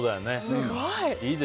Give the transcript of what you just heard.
すごい。